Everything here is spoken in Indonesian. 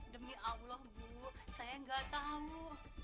demi allah bu saya nggak tahu